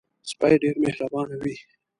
سپي ډېر مهربانه وي.